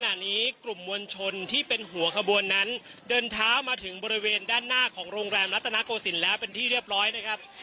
ขณะนี้กลุ่มมวลชนที่เป็นหัวขบวนนั้นเดินเท้ามาถึงบริเวณด้านหน้าของโรงแรมรัฐนาโกศิลป์แล้วเป็นที่เรียบร้อยนะครับ